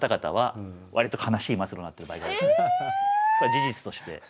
事実として。